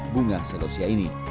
bunga celosia ini